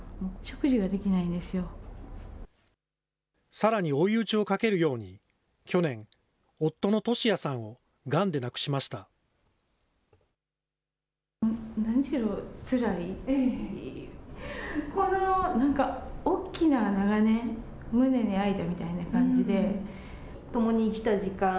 さらに追い打ちをかけるように、去年、夫の俊也さんをがんで亡くしました。